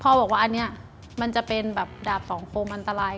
เขาบอกว่าอันนี้มันจะเป็นแบบดาบสองคมอันตราย